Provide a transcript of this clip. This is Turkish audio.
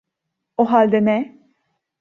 O halde ne?